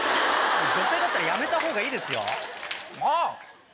女性だったらやめたほうがいいですよ。